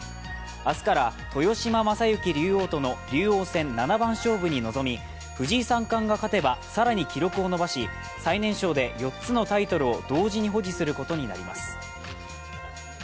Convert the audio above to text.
明日から豊島将之竜王との竜王戦七番勝負に臨み藤井三冠が勝てば更に記録を伸ばし最年少で４つのタイトルを同時に保持することになります。